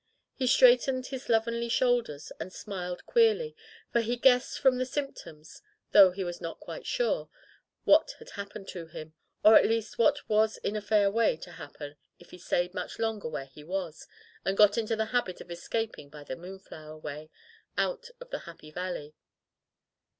He straightened his slovenly shoulders and smiled queerly, for he guessed from the symptoms, though he was not quite sure, what had happened to him, or at least what was in a fair way to happen if he stayed much longer where he was, and got into the habit of escaping by the moonflower way out of the Happy Valley.